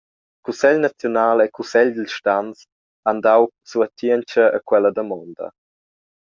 Cussegl naziunal e cussegl dils stans han dau suatientscha a quella damonda.